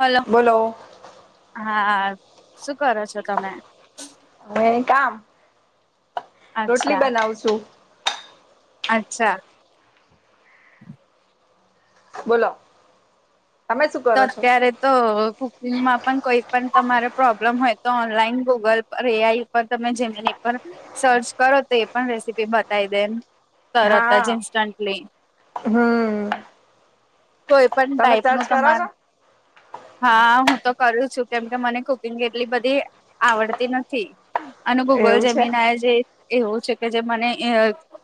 Hello બોલો હા શું કરો છો તમે? હવે કામ અચ્છા રોટલી બનાવ છું. અચ્છા બોલો તમે શું કરો છો તરસ્યારે તો કુકિંગમાં પણ કોઈ પણ તમારે પ્રોબ્લેમ હોય તો ઓનલાઈન ગૂગલ પર એ આઈ તમે જેમની પર સર્ચ કરો તો એ પણ રેસીપી બતાવી દેમ તરત જ હા ઇન્સ્ટંન્ટલી હમ કોઈ પણ તમે ટાઈપ નો સર્ચ કરો તમાર છો હા હું તો કરું છું કેમકે મને કુકિંગ એટલી બધી આવડતી નથી અને ગૂગલ એવું છે જીમીનાઈ જે એવું છે કે જે મને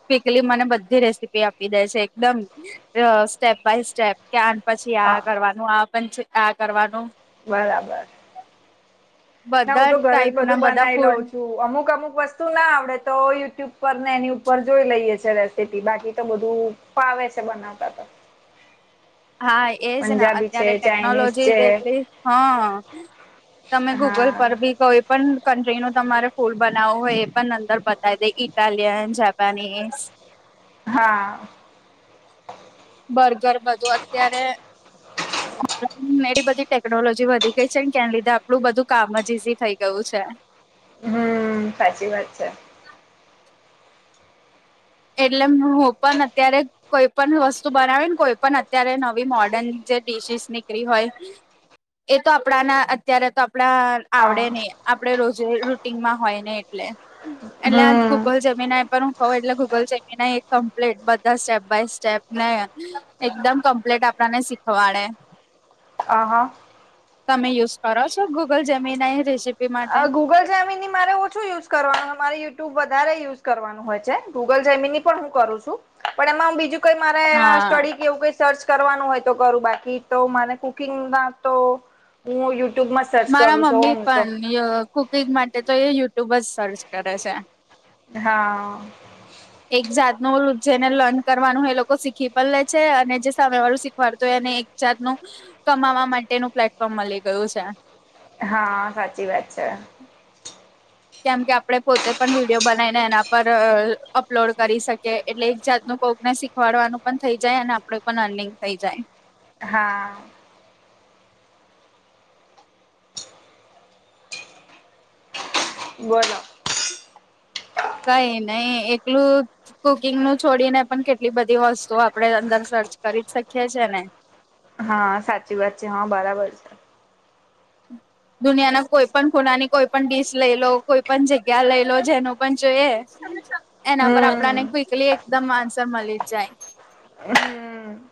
ક્વિકલી મને બધી રેસીપી આપી દે છે એકદમ સ્ટેપ બાય સ્ટેપ કે આ પછી આ હા કરવાનું આ આ કરવાનું. બરાબર ના હું બધા તો ઘરે જ ટાઈપ બધું ના બધા બનાવી લઉં ફૂડ છું. અમુક અમુક વસ્તુ ના આવડે તો યુટ્યુબ પર ને એની ઉપર જોઈ લઈએ છે રેસીપી બાકી તો બધું વે છે બનાવતા તો. હા એજ ને પંજાબી છે અત્યારે ચાઇનીઝ છે ટેકનોલોજીટલી હા તમે ગૂગલ હા પર બી કોઈ પણ કન્ટ્રી ન તમારે ફૂલ બનાવવું હોય એ પણ અંદર બતાવી દે ઇટાલિયન જાપાનીઝ હા બર્ગર બધું અત્યારે એવી બધી ટેકનોલોજી વધી ગઈ છે ને કેના લીધે આપણું બધું કામ જ ઈઝી થઈ ગયું છે. હમ સાચી વાત છે એટલે હું પણ અત્યારે કોઈ પણ વસ્તુ બનાવી ને કોઈ પણ અત્યારે નવી મોર્ડન જે ડડીશીસ નીકળી હોય એ તો આપણાના અત્યારે તો આપણા આવડે હા નહ આપડે રોજે રૂટીનમાં હોય ને એટલે એટલે આ હમ ગૂગલ જમીના પર હું કઉું એટલે ગૂગલ જમીના કમ્પ્લીટ બધા સ્ટેપ બાય સ્ટેપ ને એકદમ કમ્પ્લીટ આપણને શીખવાડે. આ હા તમે યુઝ કરો છો ગૂગલ જમીન રેસીપી? માટે આ ગૂગલ જમીનની મારે ઓછું યુઝ કરવાનું મારે યુટ્યુબ વધારે યુઝ કરવાનું હોય છે ગુગલ જેમીની પણ હું કરું છું પણ એમાં બીજું કઈ મારે હા સ્ટડી કેવું કઈ સર્ચ કરવાનું હોય તો કરું બાકી તો મને કુકિંગ ના તો હું યુ મારા મમ્મી પણ ય કુકિંગ માટે તો એ યુટ્યુબ જ સર્ચ કરે છે. હા. હ એક જાતનું ઓલુ જેને લર્ન કરવાનું એ લોકો શીખી પલ લે છે અને જે સામે વાળું શીખવાડતું હોય એને એક જાત નું કમાવા માટેનું પ્લેટફોર્મ મલી ગયું છે. હા સાચી વાત છે. કેમ કે આપડે પોતે પણ વિડીયો બનાઈને એના પર અપલોડ કરી શકીએ એટલે એક જાતનું કોકને શીખ વડવાનું પન થઇ જાય અને આપડુ પન અર્નિંગ થઈ જાય. હા. બોલો. કઈ નહી એકલું કુકિંગ નું છોડીને પન કેટલી બધી વસ્તુ આપડે અંદર સર્ચ કરી જ શકીએ છીએ ને. હા સાચી વાત છે હા બરાબર છે. દુનિયાના કોઈ પન ખૂનાની કોઈ પન ડીશ લઈ લો કોઈ પન જગ્યા લઈ લો જેનું પન જોઈએ એના પર હમ આપડાને ક્વિકલી એકદમ આન્સર મલી જ જાય. હમ.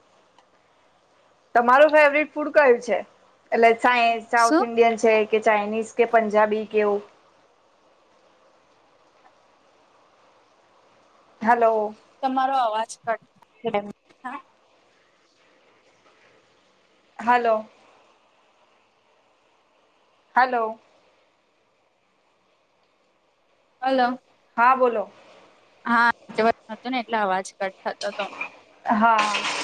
તમારું ફેવરીટ ફૂડ કયું છે એટલે સાઈ સાઉથ શું ઇન્ડિયન છે કે ચાઇનીઝ કે પંજાબી કે એવુ. હલો. તમારો અવાજ કટ [unintelligible] એમ. હલો. હલો. હલો. હા બોલો. હા [unintelligible] હતો ને એટલે અવાજ કટ થતોતો. હા.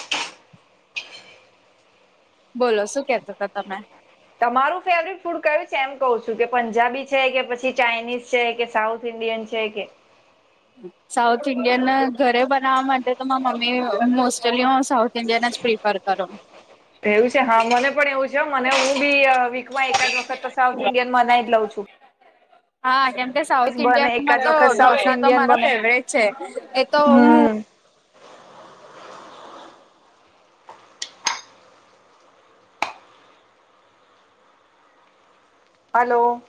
બોલો શું કેતાતા તમે? તમારું ફેવરીટ ફૂડ કયું છે એમ કહું છું કે પંજાબી છે કે પછી ચાઇનીઝ છે કે સાઉથ ઈન્ડિયન છે કે સાઉથ ઈન્ડિયન ઘરે બનાવા માટે તો મા મમ્મી મોસ્ટલી હું સાઉથ ઈન્ડિયન જ પ્રીફ કર કરો એવું છે હા મને પણ એવું છે હો મને હું બી અ વીકમાં એક જ વખત તો સાઉથ ઇન્ડિયન બનાઈ જ લઉં છું. હા કેમકે સાઉથ બને ઇન્ડિયનમાં એકાદ તો વખત સાઉથ ઢોસા તો ઇન્ડિયન મારા બને ફેવરેટ છે એ તો હું હમ હલો.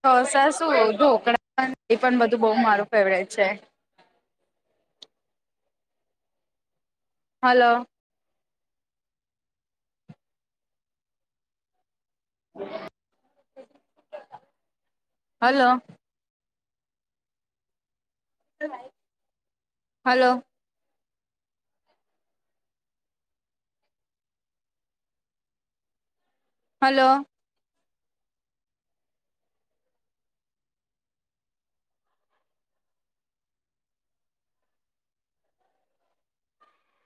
ઢોસા શું ઢોકળા પન એ પન બધું બઉ મારું ફેવરેટ છે. હલો. હલો. હલો. હલો.